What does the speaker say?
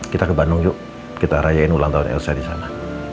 kita ke bandung yuk kita rayain ulang tahun elsa di sana